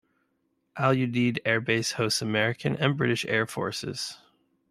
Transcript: Al Udeid Air Base hosts American and British air forces.